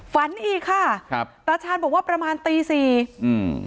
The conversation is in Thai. ฝันอีกค่ะครับตาชาญบอกว่าประมาณตีสี่อืม